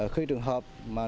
khi trường hợp mà nếu chúng ta